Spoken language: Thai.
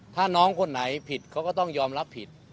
ถ้าน้องคนไหนผิดเขาก็ต้องยอมรับผิด